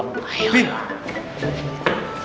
aku berani ngoblin periodik